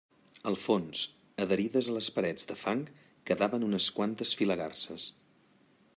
Al fons, adherides a les parets de fang, quedaven unes quantes filagarses.